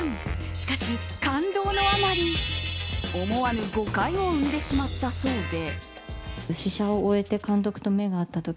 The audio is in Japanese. しかし、感動のあまり思わぬ誤解を生んでしまったそうで。